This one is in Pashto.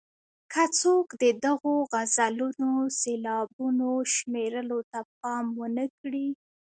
که څوک د دغو غزلونو سېلابونو شمېرلو ته پام ونه کړي.